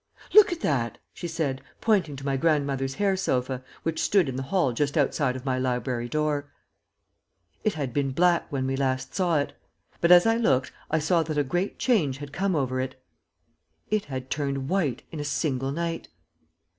"Look at that!" she said, pointing to my grandmother's hair sofa, which stood in the hall just outside of my library door. It had been black when we last saw it, but as I looked I saw that a great change had come over it. _It had turned white in a single night!